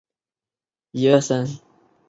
简易行政工作